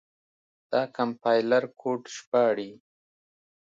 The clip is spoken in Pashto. دا کمپایلر کوډ ژباړي.